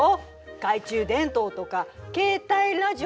懐中電灯とか携帯ラジオとか。